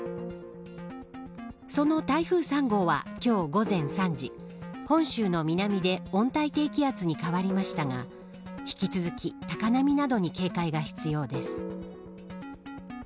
その台風３号は、今日午前３時本州の南で温帯低気圧に変わりましたが引き続き高波などに警戒が必要です。